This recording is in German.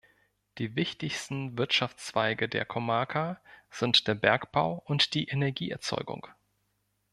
Die wichtigsten Wirtschaftszweige der Comarca sind der Bergbau und die Energieerzeugung.